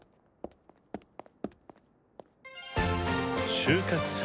収穫祭。